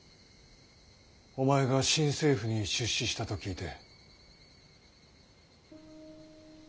お前が新政府に出仕したと聞いて。